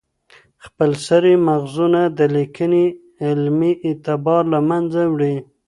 خپلسري ماخذونه د لیکني علمي اعتبار له منځه وړي.